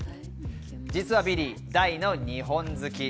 実はビリー、大の日本好き。